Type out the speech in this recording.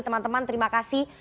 teman teman terima kasih